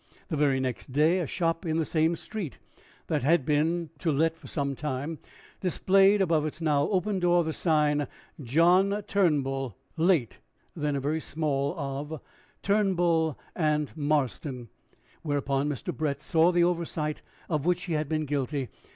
The very next day, a shop in the same street, that had been to let for some time, displayed above its now open door the sign, John Turnbull, late then a very small of Turnbull and Marston; whereupon Mr. Brett saw the oversight of which he had been guilty.